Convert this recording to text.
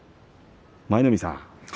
舞の海さん